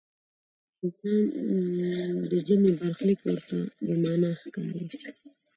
د انسان جمعي برخلیک ورته بې معنا ښکاري.